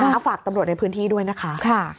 เอาฝากตำรวจในพื้นที่ด้วยนะคะ